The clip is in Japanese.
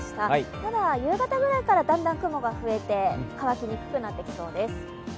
ただ夕方ぐらいからだんだん雲が増えて乾きにくくなってきそうです。